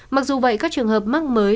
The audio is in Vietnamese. mặc dù vậy các trường hợp mắc mới